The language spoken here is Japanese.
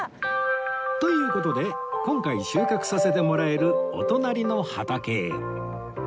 という事で今回収穫させてもらえるお隣の畑へ